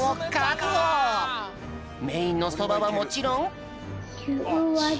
メインのそばはもちろん。